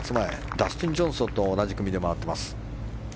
ダスティン・ジョンソンと同じ組で回っています。